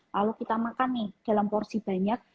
kalau kita makan nih dalam porsi banyak